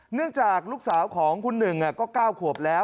เนื่องจากลูกสาวของคุณหนึ่งก็๙ขวบแล้ว